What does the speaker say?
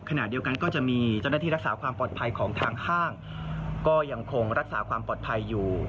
ขณะเดียวกันก็จะมีเจ้าหน้าที่รักษาความปลอดภัยของทางห้างก็ยังคงรักษาความปลอดภัยอยู่